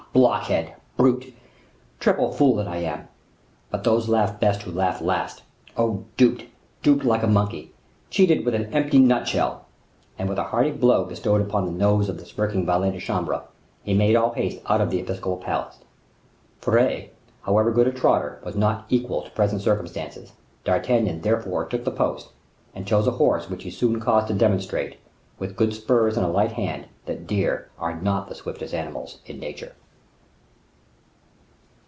blockhead, brute, triple fool that I am! But those laugh best who laugh last. Oh, duped, duped like a monkey, cheated with an empty nutshell!" And with a hearty blow bestowed upon the nose of the smirking valet de chambre, he made all haste out of the episcopal palace. Furet, however good a trotter, was not equal to present circumstances. D'Artagnan therefore took the post, and chose a horse which he soon caused to demonstrate, with good spurs and a light hand, that deer are not the swiftest animals in nature.